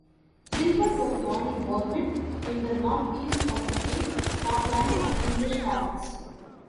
Gilbert was born in Wormit, in the north-east of Fife, Scotland, of English parents.